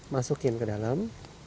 masukin ke dalam